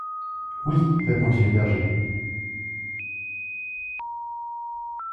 Oui ! répondit le berger.